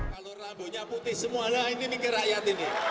kalau rambutnya putih semualah ini nih gerakyat ini